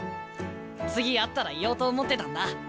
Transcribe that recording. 次会ったら言おうと思ってたんだ。